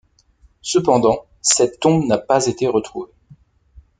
Cependant cette tombe n'a pas été retrouvée.